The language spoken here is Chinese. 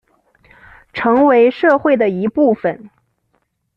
成为社会的一部分